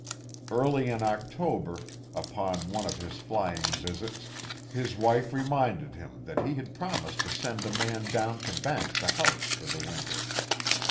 Early in October, upon one of his flying visits, his wife reminded him that he had promised to send a man down to bank the house for the winter.